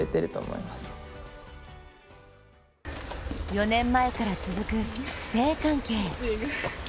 ４年前から続く師弟関係。